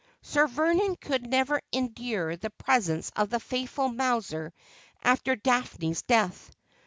Sir Vernon could never endure the presence of the faithful Mowser after Daphne's death.